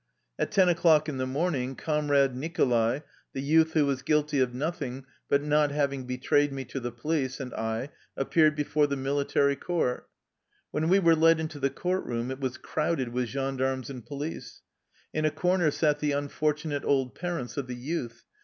At ten o'clock in the morning Com rade Nicholai, the youth who was guilty of nothing but not having betrayed me to the po lice, and I appeared before the military court. When we were led into the court room it was crowded with gendarmes and police. In a cor ner sat the unfortunate old parents of the youth.